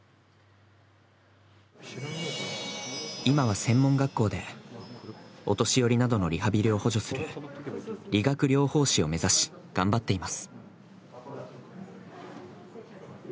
今は専門学校で、お年寄りなどのリハビリを補助する理学療法士を目指し頑張っています。